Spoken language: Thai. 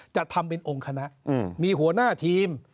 จะทำเป็นองค์คณะมีหัวหน้าทีม